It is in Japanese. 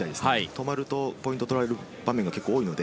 止まるとポイントを取られる場面が多いので。